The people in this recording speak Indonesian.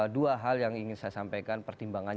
dua hal yang ingin saya sampaikan pertimbangan